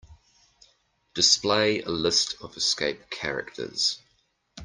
Display a list of escape characters.